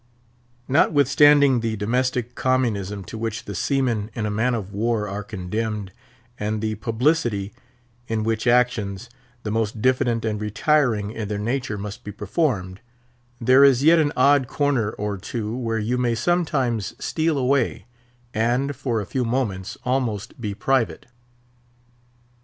Notwithstanding the domestic communism to which the seamen in a man of war are condemned, and the publicity in which actions the most diffident and retiring in their nature must be performed, there is yet an odd corner or two where you may sometimes steal away, and, for a few moments, almost be private.